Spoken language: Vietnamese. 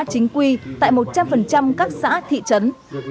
chính quy tại một trăm linh các xã thị trấn